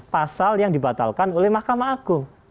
pasal yang dibatalkan oleh mahkamah agung